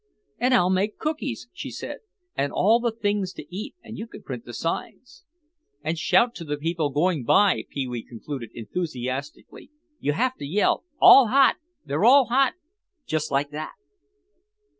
"And I'll make cookies," she said, "and all the things to eat and you can print the signs—" "And shout to the people going by," Pee wee concluded enthusiastically. "You have to yell ALL HOT! THEY'RE ALL HOT! Just like that."